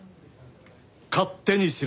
勝手にしろ。